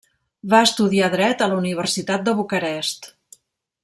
Va estudiar dret a la Universitat de Bucarest.